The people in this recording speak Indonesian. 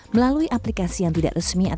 melalui aplikasi yang tidak resmi atau berkualitas